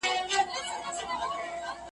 هم د کور غل دی هم دروغجن دی .